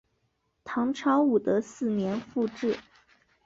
唐朝武德四年复置。